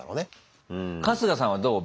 春日さんはどう？